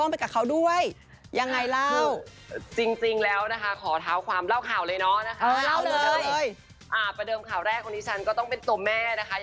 พี่อำค่ะ